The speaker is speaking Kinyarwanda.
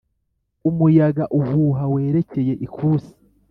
umuyaga uhuha werekeye ikusi